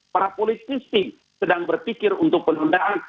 para politisi sedang berpikir untuk penundaan